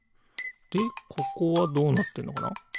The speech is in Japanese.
でここはどうなってるのかな？